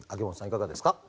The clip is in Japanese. いかがですか？